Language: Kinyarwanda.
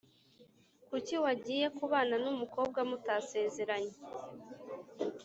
kuki wagiye kubana numukobwa mutasezeranye